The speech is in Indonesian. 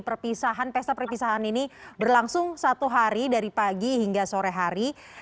perpisahan pesta perpisahan ini berlangsung satu hari dari pagi hingga sore hari